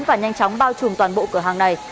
và nhanh chóng bao trùm toàn bộ cửa hàng này